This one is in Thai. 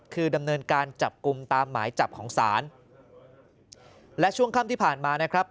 คือดำเนินการจับกลุ่มตามหมายจับของศาลและช่วงค่ำที่ผ่านมานะครับ